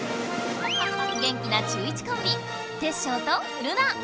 元気な中１コンビテッショウとルナ。